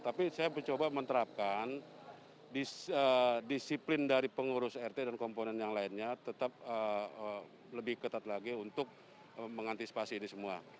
tapi saya mencoba menerapkan disiplin dari pengurus rt dan komponen yang lainnya tetap lebih ketat lagi untuk mengantisipasi ini semua